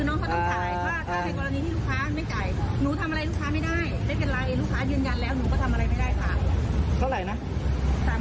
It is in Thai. เท่าไหร่นะสามร้อยสามสิบเก็บบาทท่าแรงน้องเอาเดี๋ยวผมจ่ายให้จบไหม